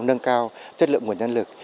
nâng cao chất lượng nguồn nhân lực